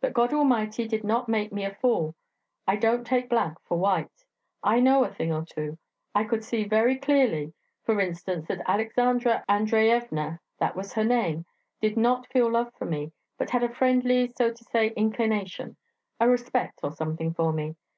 But God Almighty did not make me a fool; I don't take black for white; I know a thing or two; I could see very clearly, for instance that Aleksandra Andreyevna that was her name did not feel love for me, but had a friendly, so to say, inclination a respect or something for me.